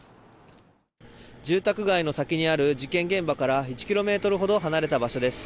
住宅街の先にある事件現場から１ｋｍほど離れた場所です。